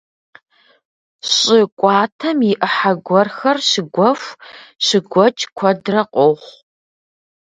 Щӏы кӏуатэм и ӏыхьэ гуэрхэр щыгуэху, щыгуэкӏ куэдрэ къохъу.